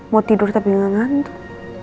mau tidur tapi nggak ngantuk